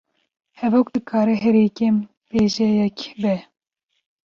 Hevok dikare herî kêm bêjeyek be